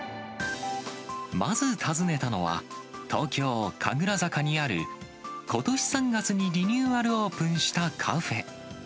まず訪ねたのは、東京・神楽坂にある、ことし３月にリニューアルオープンしたカフェ。